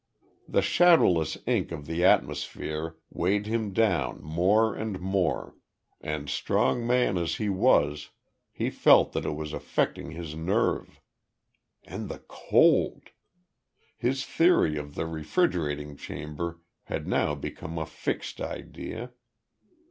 The shadowless ink of the atmosphere weighed him down more and more, and strong man as he was, he felt that it was affecting his nerve. And the cold! His theory of the refrigerating chamber had now become a fixed idea.